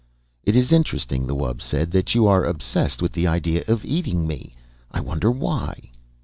"It is interesting," the wub said, "that you are obsessed with the idea of eating me. I wonder why."